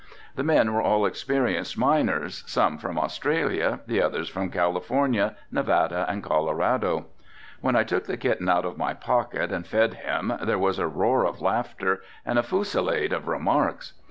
The men were all experienced miners, some from Australia, the others from California, Nevada and Colorado. When I took the kitten out of my pocket and fed him there was a roar of laughter and a fusilade of remarks.